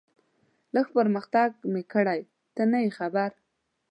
لږ پرمختګ مې کړی، ته نه یې خبر.